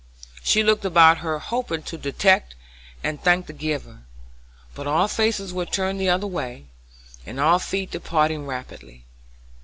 She looked about her hoping to detect and thank the giver; but all faces were turned the other way, and all feet departing rapidly.